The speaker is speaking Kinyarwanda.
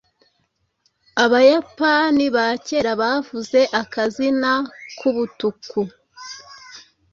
Abayapani bakera bavuze "Akazina" kubutuku